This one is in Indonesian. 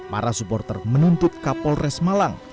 para supporter menuntut kapol res malang